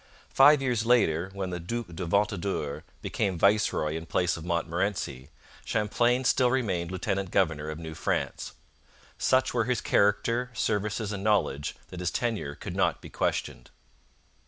Five years later, when the Duc de Ventadour became viceroy in place of Montmorency, Champlain still remained lieutenant general of New France. Such were his character, services, and knowledge that his tenure could not be questioned.